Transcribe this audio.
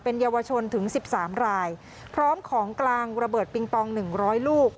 เป็นเยาวชนถึง๑๓รายพร้อมของกลางระเบิดปิงปอง๑๐๐ลูก